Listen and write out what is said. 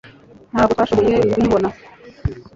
Ntabwo twashoboye kuyibona